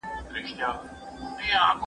که موږ یو بل درک کړو نو ژوند ښکلی کیږي.